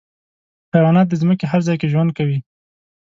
حیوانات د ځمکې هر ځای کې ژوند کوي.